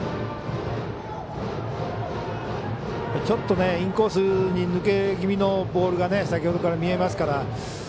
ちょっと、インコースに抜け気味のボールが先ほどから見えますから。